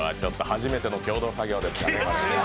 初めての共同作業ですね。